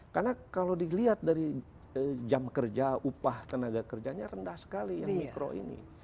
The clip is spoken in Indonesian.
karena kalau dilihat dari jam kerja upah tenaga kerjanya rendah sekali yang mikro ini